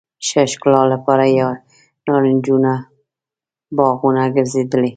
ښه ښکلا لپاره یې نارنجو باغونه ګرځېدلي.